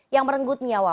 yang merenggut nyawa